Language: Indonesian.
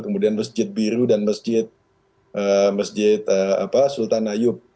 kemudian masjid biru dan masjid sultan nayub